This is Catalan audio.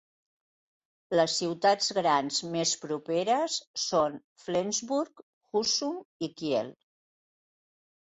Les ciutats grans més properes són Flensburg, Husum i Kiel.